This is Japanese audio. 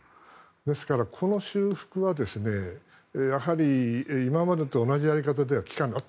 ですから、この修復はやはり今までと同じやり方では利かない。